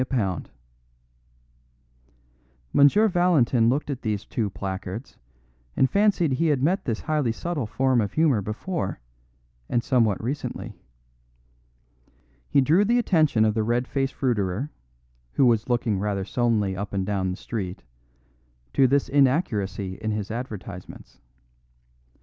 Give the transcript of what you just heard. a lb." M. Valentin looked at these two placards and fancied he had met this highly subtle form of humour before, and that somewhat recently. He drew the attention of the red faced fruiterer, who was looking rather sullenly up and down the street, to this inaccuracy in his advertisements.